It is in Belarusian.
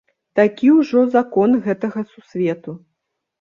Такі ўжо закон гэтага сусвету.